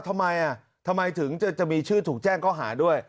ทำไมถึงจะมีชื่อถูกแจ้งเกาะหาด้วย